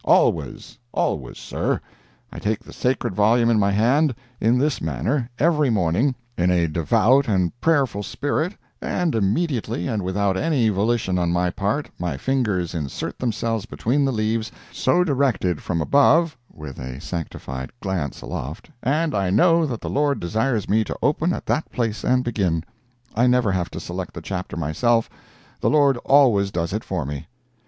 "Always—always, sir. I take the sacred volume in my hand, in this manner, every morning, in a devout and prayerful spirit, and immediately, and without any volition on my part, my fingers insert themselves between the leaves—so directed from above (with a sanctified glance aloft)—and I know that the Lord desires me to open at that place and begin. I never have to select the chapter myself—the Lord always does it for me."